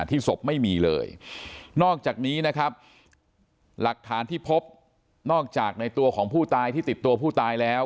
ศพไม่มีเลยนอกจากนี้นะครับหลักฐานที่พบนอกจากในตัวของผู้ตายที่ติดตัวผู้ตายแล้ว